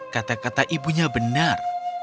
kata kata ibunya benar